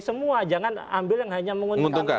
semua jangan ambil yang hanya menguntungkan